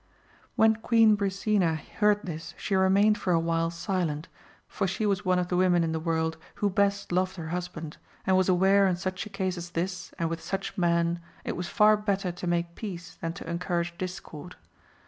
When Queen Brisena heard this she remained for awhile silent, for she was one of the women in the world who best loved her husband, and was aware in such a case as this and with such men, it was far better to make peace than to encourage discord.